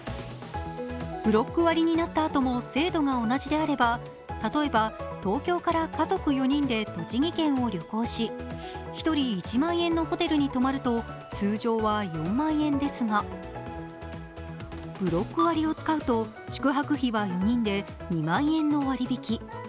ブロック割になったあとも制度が同じであれば例えば、東京から家族４人で栃木県を旅行し、１人１万円のホテルに泊まると通常は４万円ですがブロック割を使うと、宿泊費は４人で２万円の割引。